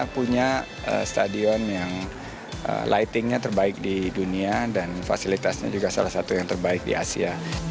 punya stadion yang lightingnya terbaik di dunia dan fasilitasnya juga salah satu yang terbaik di asia